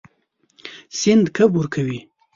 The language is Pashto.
سیند کب ورکوي.